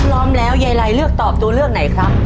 พร้อมแล้วยายไลเลือกตอบตัวเลือกไหนครับ